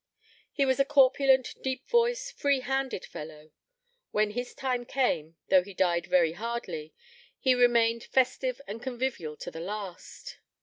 He was a corpulent, deep voiced, free handed fellow: when his time came, though he died very hardly, he remained festive and convivial to the last.